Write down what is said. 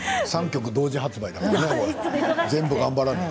３曲、同時発売だからね。